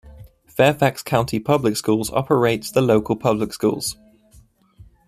Fairfax County Public Schools operates the local public schools.